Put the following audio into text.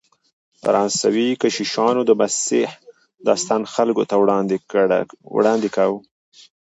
فرانسوي کشیشانو د مسیح داستان خلکو ته وړاندې کاوه.